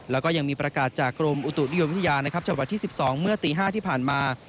แล้วก็ยังมีประกาศจากกรมอุตุนิยมวิทยานะครับจังหวัดที่๑๒เมื่อตี๕ที่ผ่านมา